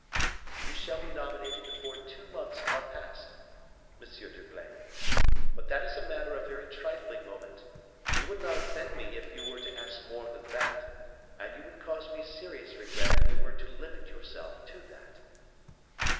"You shall be nominated before two months are past, Monsieur d'Herblay. But that is a matter of very trifling moment; you would not offend me if you were to ask more than that, and you would cause me serious regret if you were to limit yourself to that."